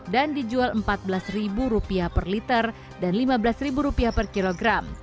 dan dijual rp empat belas per liter dan rp lima belas per kilogram